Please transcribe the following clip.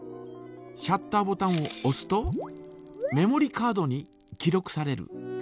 シャッターボタンをおすとメモリカードに記録される。